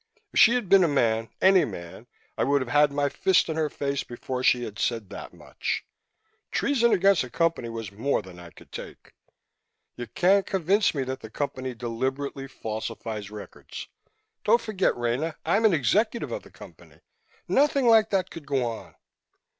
If she had been a man, any man, I would have had my fist in her face before she had said that much; treason against the Company was more than I could take. "You can't convince me that the Company deliberately falsifies records. Don't forget, Rena, I'm an executive of the Company! Nothing like that could go on!"